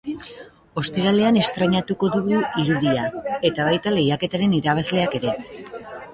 Ostiralean estreinatuko dugu irudia, eta baita lehiaketaren irabazleak ere.